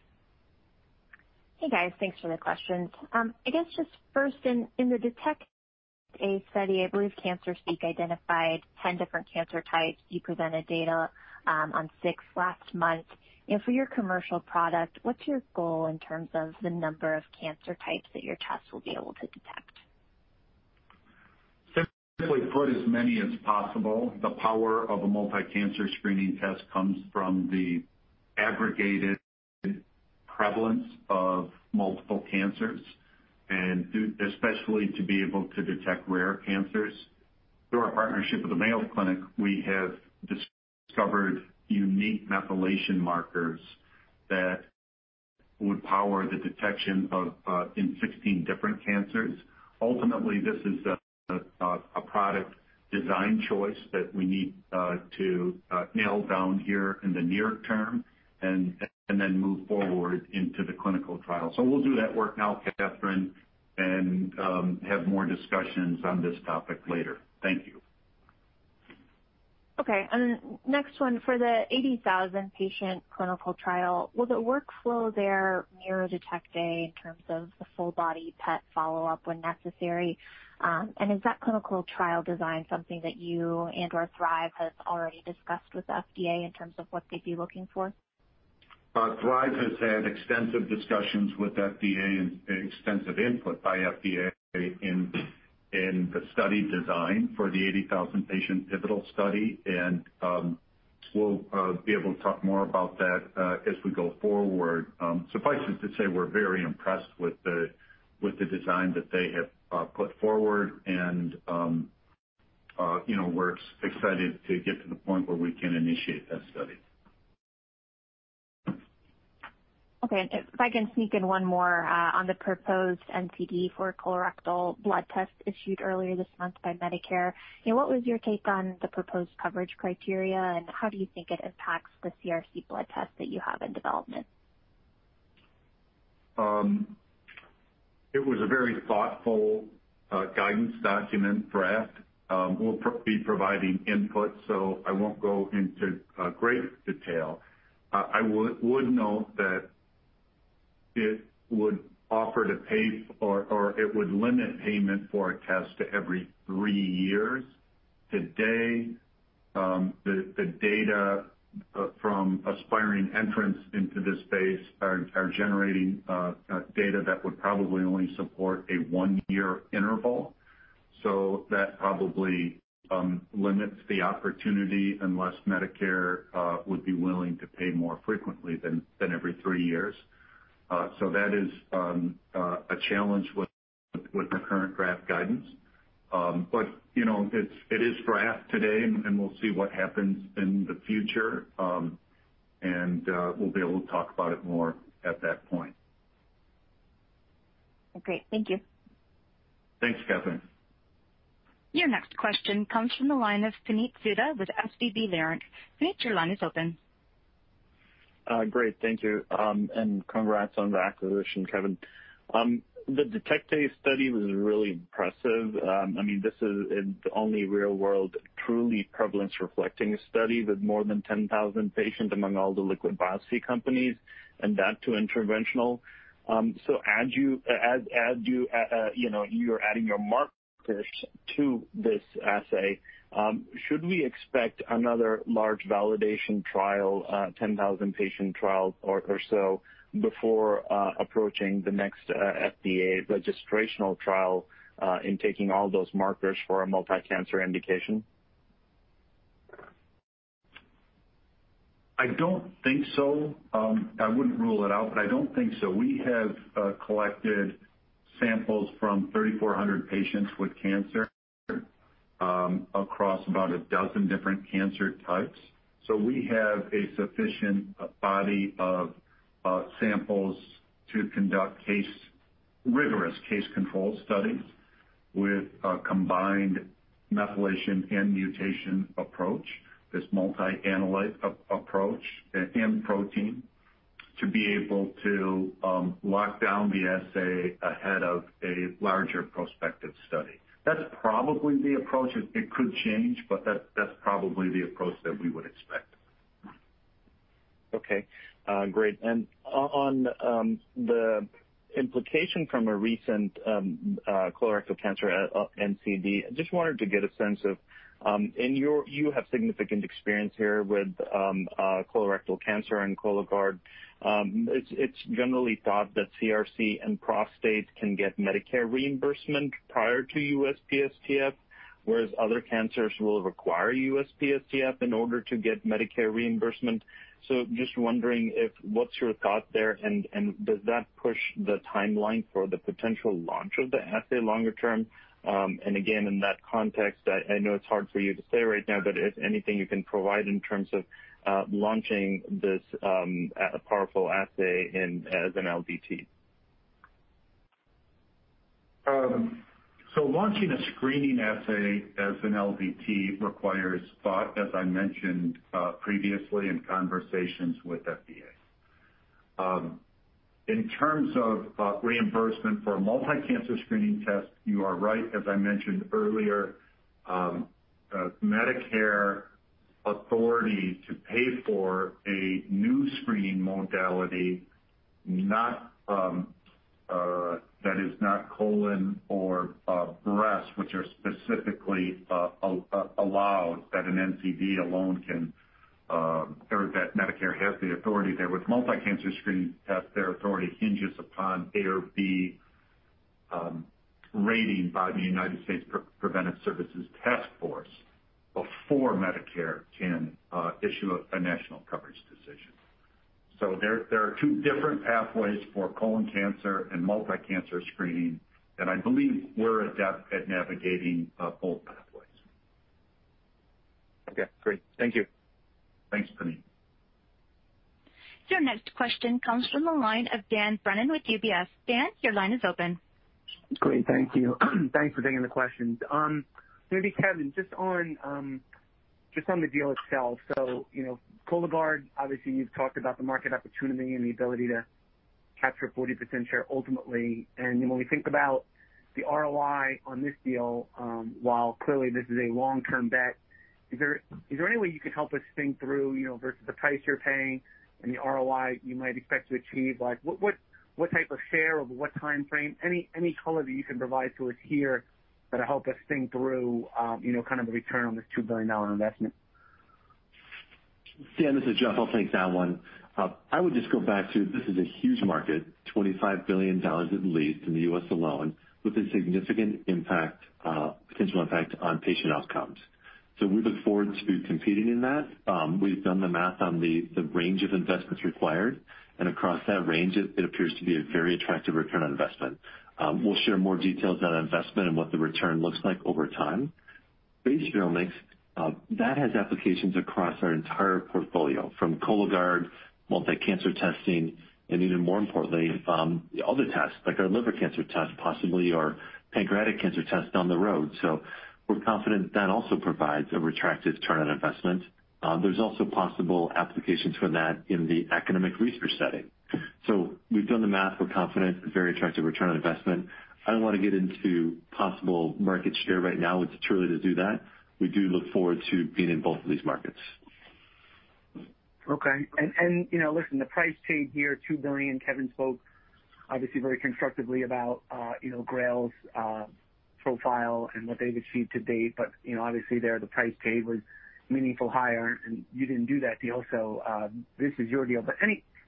Speaker 11: Hey, guys. Thanks for the questions. I guess just first, in the DETECT-A study, I believe CancerSEEK identified 10 different cancer types. You presented data on six last month. For your commercial product, what's your goal in terms of the number of cancer types that your test will be able to detect?
Speaker 3: Simply put, as many as possible. The power of a multi-cancer screening test comes from the aggregated prevalence of multiple cancers, and especially to be able to detect rare cancers. Through our partnership with the Mayo Clinic, we have discovered unique methylation markers that would power the detection in 16 different cancers. Ultimately, this is a product design choice that we need to nail down here in the near term and then move forward into the clinical trial. We'll do that work now, Catherine, and have more discussions on this topic later. Thank you.
Speaker 11: Okay. Next one, for the 80,000-patient clinical trial, will the workflow there mirror DETECT-A in terms of the full body PET follow-up when necessary? Is that clinical trial design something that you and/or Thrive has already discussed with FDA in terms of what they'd be looking for?
Speaker 3: Thrive has had extensive discussions with FDA and extensive input by FDA in the study design for the 80,000-patient pivotal study. We'll be able to talk more about that as we go forward. Suffice it to say, we're very impressed with the design that they have put forward, and we're excited to get to the point where we can initiate that study.
Speaker 11: Okay. If I can sneak in one more on the proposed NCD for colorectal blood test issued earlier this month by Medicare, what was your take on the proposed coverage criteria, and how do you think it impacts the CRC blood test that you have in development?
Speaker 3: It was a very thoughtful guidance document draft. We'll be providing input, so I won't go into great detail. I would note that it would limit payment for a test to every three years. Today, the data from aspiring entrants into this space are generating data that would probably only support a one-year interval. That probably limits the opportunity unless Medicare would be willing to pay more frequently than every three years. That is a challenge with the current draft guidance. It is draft today, and we'll see what happens in the future. We'll be able to talk about it more at that point.
Speaker 11: Okay. Thank you.
Speaker 3: Thanks, Catherine.
Speaker 1: Your next question comes from the line of Puneet Souda with SVB Leerink. Puneet, your line is open.
Speaker 12: Great. Thank you. Congrats on the acquisition, Kevin. The DETECT-A study was really impressive. This is the only real-world, truly prevalence-reflecting study with more than 10,000 patients among all the liquid biopsy companies, and that to interventional. As you're adding your markers to this assay, should we expect another large validation trial, 10,000-patient trial or so, before approaching the next FDA registrational trial in taking all those markers for a multi-cancer indication?
Speaker 3: I don't think so. I wouldn't rule it out, but I don't think so. We have collected samples from 3,400 patients with cancer across about 12 different cancer types. We have a sufficient body of samples to conduct rigorous case control studies with a combined methylation and mutation approach, this multi-analyte approach in protein, to be able to lock down the assay ahead of a larger prospective study. That's probably the approach. It could change, but that's probably the approach that we would expect.
Speaker 12: Okay, great. On the implication from a recent colorectal cancer NCD, I just wanted to get a sense of, and you have significant experience here with colorectal cancer and Cologuard. It's generally thought that CRC and prostate can get Medicare reimbursement prior to USPSTF, whereas other cancers will require USPSTF in order to get Medicare reimbursement. Just wondering what's your thought there, and does that push the timeline for the potential launch of the assay longer term? Again, in that context, I know it's hard for you to say right now, but if anything you can provide in terms of launching this powerful assay as an LDT.
Speaker 3: Launching a screening assay as an LDT requires thought, as I mentioned previously, and conversations with FDA. In terms of reimbursement for a multi-cancer screening test, you are right, as I mentioned earlier, Medicare authority to pay for a new screening modality that is not colon or breast, which are specifically allowed that an NCD alone or that Medicare has the authority there. With multi-cancer screening tests, their authority hinges upon A or B rating by the United States Preventive Services Task Force before Medicare can issue a national coverage decision. There are two different pathways for colon cancer and multi-cancer screening, and I believe we're adept at navigating both pathways.
Speaker 12: Okay, great. Thank you.
Speaker 3: Thanks, Puneet.
Speaker 1: Your next question comes from the line of Dan Brennan with UBS. Dan, your line is open.
Speaker 13: Great. Thank you. Thanks for taking the questions. Kevin, just on the deal itself. Cologuard, obviously, you've talked about the market opportunity and the ability to capture 40% share ultimately. When we think about the ROI on this deal, while clearly this is a long-term bet, is there any way you could help us think through, versus the price you're paying and the ROI you might expect to achieve, what type of share over what timeframe? Any color that you can provide to us here that'll help us think through the return on this $2 billion investment.
Speaker 5: Dan, this is Jeff. I'll take that one. I would just go back to, this is a huge market, $25 billion at least in the U.S. alone, with a significant potential impact on patient outcomes. We look forward to competing in that. We've done the math on the range of investments required, and across that range, it appears to be a very attractive ROI. We'll share more details on investment and what the return looks like over time. Base Genomics, that has applications across our entire portfolio, from Cologuard, multi-cancer testing, and even more importantly, other tests like our liver cancer test, possibly our pancreatic cancer test down the road. We're confident that also provides a attractive ROI. There's also possible applications for that in the academic research setting. We've done the math. We're confident it's a very attractive ROI. I don't want to get into possible market share right now. It's too early to do that. We do look forward to being in both of these markets.
Speaker 13: Okay. Listen, the price paid here, $2 billion, Kevin spoke obviously very constructively about GRAIL's profile and what they've achieved to date. Obviously there the price paid was meaningfully higher, and you didn't do that deal, so this is your deal.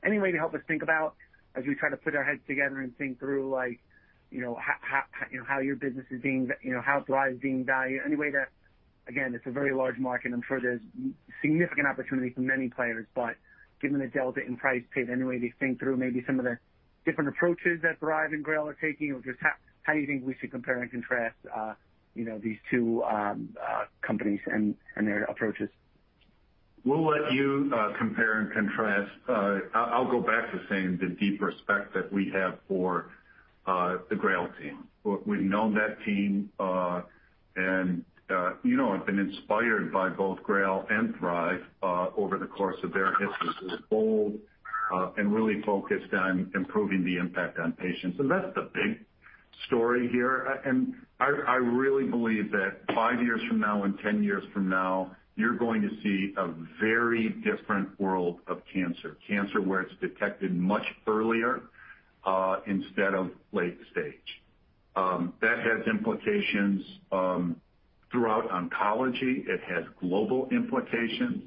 Speaker 13: Any way to help us think about as we try to put our heads together and think through how Thrive is being valued? Again, it's a very large market. I'm sure there's significant opportunity for many players. Given the delta in price paid, any way to think through maybe some of the different approaches that Thrive and GRAIL are taking? Just how you think we should compare and contrast these two companies and their approaches?
Speaker 3: We'll let you compare and contrast. I'll go back to saying the deep respect that we have for the GRAIL team. We've known that team, and have been inspired by both GRAIL and Thrive over the course of their history. This is bold and really focused on improving the impact on patients. That's the big story here. I really believe that five years from now and 10 years from now, you're going to see a very different world of cancer. Cancer where it's detected much earlier instead of late stage. That has implications throughout oncology. It has global implications,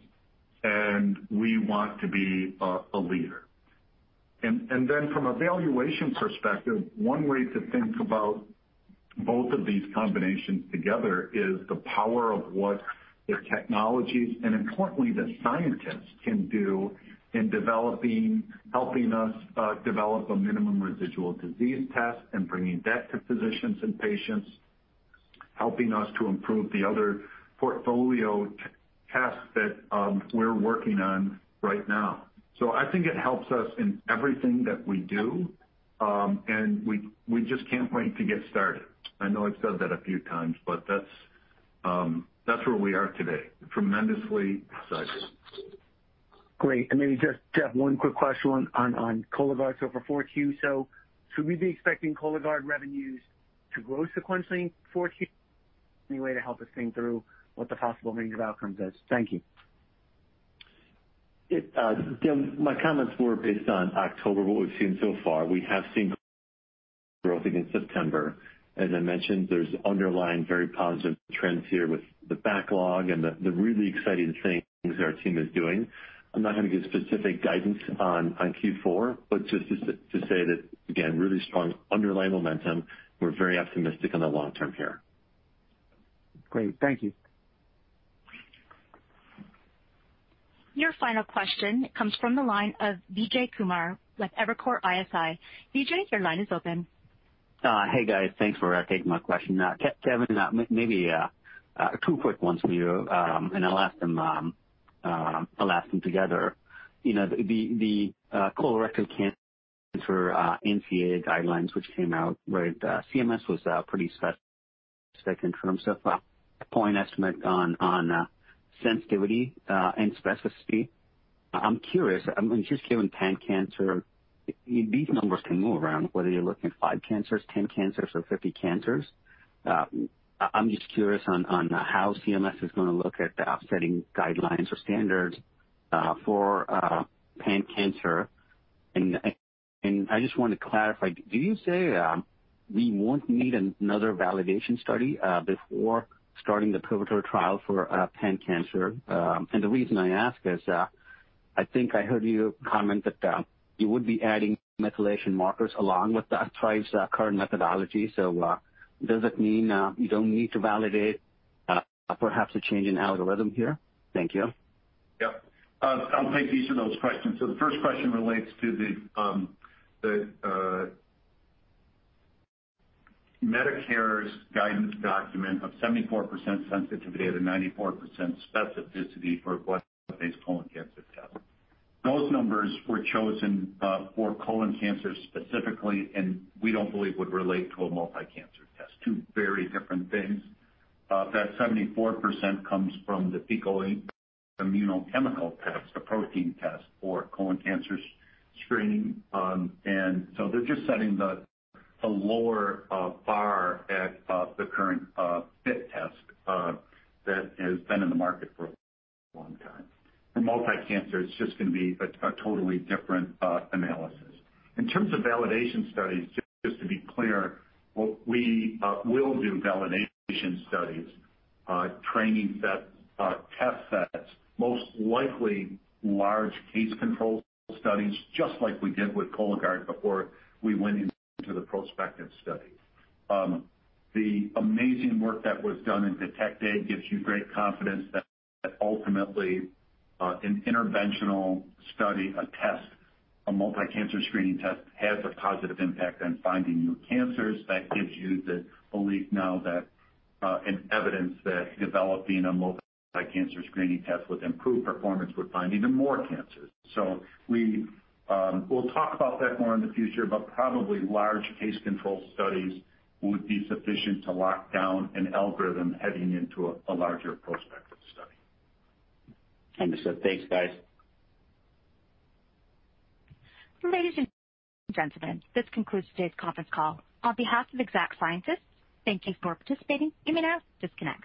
Speaker 3: and we want to be a leader. Then from a valuation perspective, one way to think about both of these combinations together is the power of what the technologies and importantly the scientists can do in helping us develop a minimal residual disease test and bringing that to physicians and patients, helping us to improve the other portfolio tests that we're working on right now. I think it helps us in everything that we do, and we just can't wait to get started. I know I've said that a few times, but that's where we are today. Tremendously excited.
Speaker 13: Great. Maybe just, Jeff, one quick question on Cologuard. For 4Q, so should we be expecting Cologuard revenues to grow sequentially in 4Q? Any way to help us think through what the possible range of outcomes is? Thank you.
Speaker 5: Tim, my comments were based on October, what we've seen so far. We have seen growth again in September. As I mentioned, there's underlying very positive trends here with the backlog and the really exciting things our team is doing. I'm not going to give specific guidance on Q4, but just to say that, again, really strong underlying momentum. We're very optimistic on the long term here.
Speaker 13: Great. Thank you.
Speaker 1: Your final question comes from the line of Vijay Kumar with Evercore ISI. Vijay, your line is open.
Speaker 14: Hey, guys. Thanks for taking my question. Kevin, maybe two quick ones for you, and I'll ask them together. Colorectal cancer NCD guidelines, which came out where the CMS was pretty specific in terms of a point estimate on sensitivity and specificity. I'm curious, just given pan-cancer, these numbers can move around, whether you're looking at 5 cancers, 10 cancers, or 50 cancers. I'm just curious on how CMS is going to look at the offsetting guidelines or standards for pan-cancer. I just want to clarify, did you say we won't need another validation study before starting the pivotal trial for pan-cancer? The reason I ask is, I think I heard you comment that you would be adding methylation markers along with Thrive's current methodology. Does it mean you don't need to validate perhaps a change in algorithm here? Thank you.
Speaker 3: I'll take each of those questions. The first question relates to Medicare's guidance document of 74% sensitivity and 94% specificity for a blood-based colon cancer test. Those numbers were chosen for colon cancer specifically, and we don't believe would relate to a multi-cancer test. Two very different things. That 74% comes from the fecal immunochemical test, a protein test for colon cancer screening. They're just setting the lower bar at the current FIT test that has been in the market for a long time. For multi-cancer, it's just going to be a totally different analysis. In terms of validation studies, just to be clear, we will do validation studies, training sets, test sets, most likely large case control studies, just like we did with Cologuard before we went into the prospective study. The amazing work that was done in DETECT-A gives you great confidence that ultimately an interventional study, a test, a multi-cancer screening test has a positive impact on finding new cancers. That gives you the belief now that in evidence that developing a multi-cancer screening test with improved performance would find even more cancers. We'll talk about that more in the future, but probably large case control studies would be sufficient to lock down an algorithm heading into a larger prospective study.
Speaker 14: Understood. Thanks, guys.
Speaker 1: Ladies and gentlemen, this concludes today's conference call. On behalf of Exact Sciences, thank you for participating. You may now disconnect.